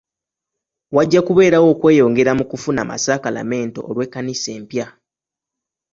Wajja kubeerawo okweyongera mu kufuna amasakalamento olw'ekkanisa empya.